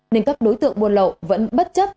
nên các đối tượng buôn lậu vẫn bất chấp